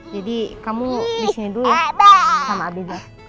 jadi kamu di sini dulu ya sama abisar